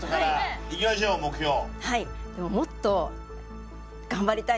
はい。